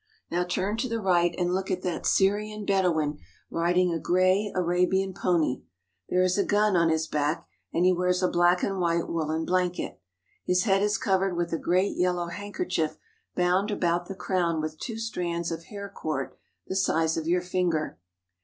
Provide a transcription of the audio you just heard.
Now turn to the right and look at that Syrian Bedouin riding a gray Arabian pony. There is a gun on his back and he wears a black and white woollen blanket. His head is covered with a great yellow handkerchief bound about the crown with two strands of hair cord the size of your finger.